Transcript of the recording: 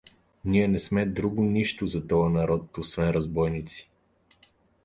Ние не сме друго нищо за тоя народ сега освен разбойници!